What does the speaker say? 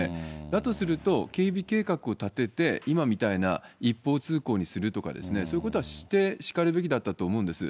だとすると、警備計画を立てて、今みたいな一方通行にするとかですね、そういうことはしてしかるべきだったと思うんです。